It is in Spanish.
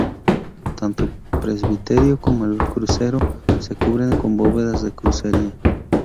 Tanto el presbiterio como el crucero se cubren con bóvedas de crucería.